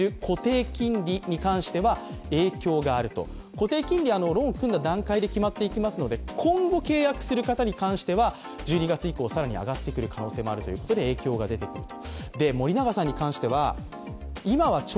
固定金利はローンを組んだ段階で決まっていますので、今後、契約する方に関しては１２月以降、更に上がってくる可能性もあるということで影響が出てくると。